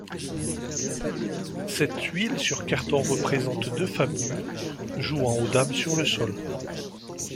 Cette huile sur carton représente deux femmes nues jouant aux dames sur le sol.